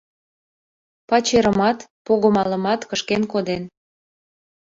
Пачерымат, пого-малымат кышкен коден...